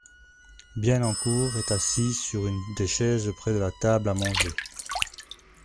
Bienencourt est assis sur une des chaises près de la table à manger.